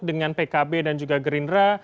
dengan pkb dan juga gerindra